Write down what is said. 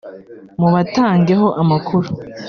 mubatangeho amakuru